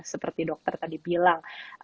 seperti dokter tadi bilang